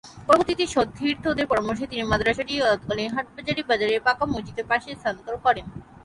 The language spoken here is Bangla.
পরবর্তীতে সতীর্থদের পরামর্শে তিনি মাদ্রাসাটি তৎকালীন হাটহাজারী বাজারের পাঁকা মসজিদের পাশে স্থানান্তর করেন।